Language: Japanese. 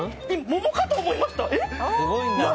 桃かと思いました。